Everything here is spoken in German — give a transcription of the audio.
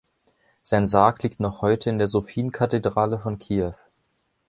Sein Sarg liegt noch heute in der Sophienkathedrale von Kiew.